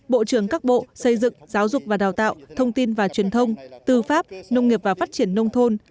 bộ trưởng các bộ xây dựng giáo dục và đào tạo thông tin và truyền thông tư pháp nông nghiệp và phát triển nông thôn